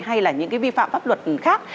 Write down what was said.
hay là những cái vi phạm pháp luật khác